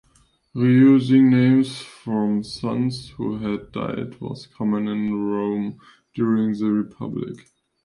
Reusing names from sons who had died was common in Rome during the Republic.